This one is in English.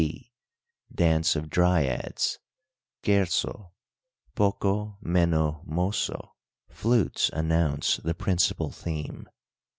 (b) DANCE OF DRYADS (Scherzo: Poco meno mosso) Flutes announce the principal theme.